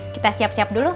kita siap siap dulu